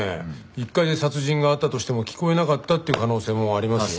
１階で殺人があったとしても聞こえなかったっていう可能性もありますよ。